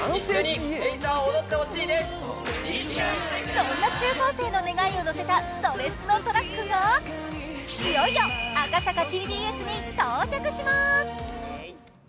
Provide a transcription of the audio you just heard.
そんな中高生の願いをのせた、それスノトラックがいよいよ赤坂ＴＢＳに到着します。